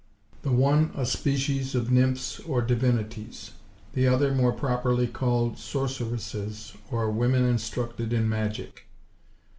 The one a species of nymphs or divinities; the other more properly called sorceresses, or women instructed in magic.